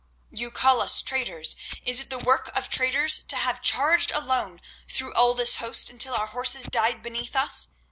You call us traitors. Is it the work of traitors to have charged alone through all this host until our horses died beneath us?"